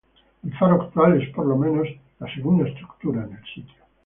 El faro actual es por lo menos la segunda estructura en el sitio.